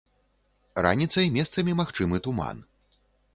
Раніцай месцамі магчымы туман.